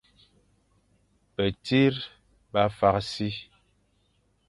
Betsir ba fakh si.